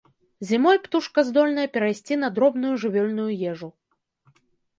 Зімой птушка здольная перайсці на дробную жывёльную ежу.